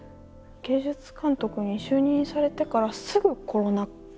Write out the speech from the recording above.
芸術監督に就任されてからすぐコロナ禍。